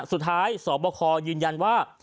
สุดท้ายสบคยืนยันว่า